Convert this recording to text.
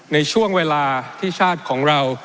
ในช่วงเวลาที่ชาติของเรา